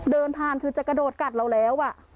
เดินผ่านคือจะกระโดดกัดเราแล้ว